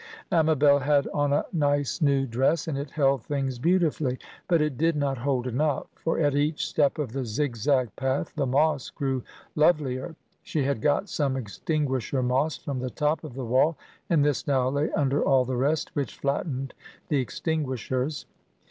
Amabel had on a nice, new dress, and it held things beautifully. But it did not hold enough, for at each step of the zig zag path the moss grew lovelier. She had got some extinguisher moss from the top of the wall, and this now lay under all the rest, which flattened the extinguishers.